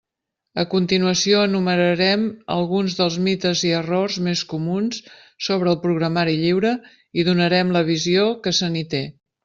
A continuació enumerarem alguns dels mites i errors més comuns sobre el programari lliure i donarem la visió que se n'hi té.